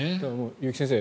結城先生